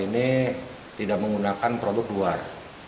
ini tidak menggunakan produk luar